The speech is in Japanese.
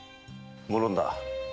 無論だ。